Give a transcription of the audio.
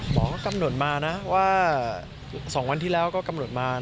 หมอกำหนดมานะว่า๒วันที่แล้วก็กำหนดมา